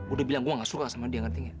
udah bilang gue gak suka sama dia ngerti gak